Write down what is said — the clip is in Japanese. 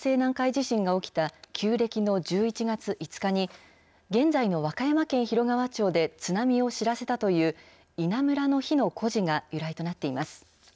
地震が起きた旧暦の１１月５日に、現在の和歌山県広川町で津波を知らせたという稲むらの火の故事が由来となっています。